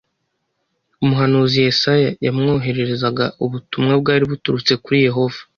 umuhanuzi Yesaya yamwohererezaga ubutumwa bwari buturutse kuri Yehova